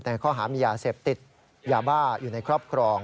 ในข้อหามียาเสพติดยาบ้าอยู่ในครอบครอง